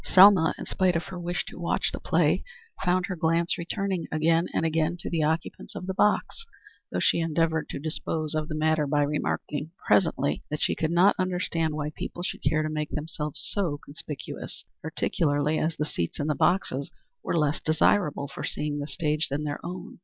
Selma, in spite of her wish to watch the play, found her glance returning again and again to the occupants of the box, though she endeavored to dispose of the matter by remarking presently that she could not understand why people should care to make themselves so conspicuous, particularly as the seats in the boxes were less desirable for seeing the stage than their own.